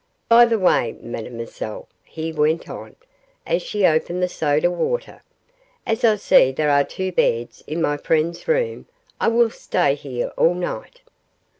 By the way, Mademoiselle,' he went on, as she opened the soda water, 'as I see there are two beds in my friend's room I will stay here all night.